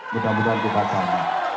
mudah mudahan kita sama